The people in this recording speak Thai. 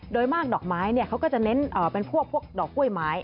โดยมากดอกไม้เขาก็จะเน้นเป็นพวกดอกกล้วยไม้